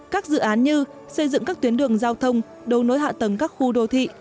các dự án như xây dựng các tuyến đường giao thông đấu nối hạ tầng các khu đô thị